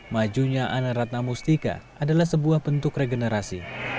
majunya aneratna mustika adalah sebuah bentuk regenerasi